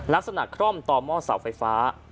ลักษณะคล่อมต่อหม้อเสาไฟฟ้า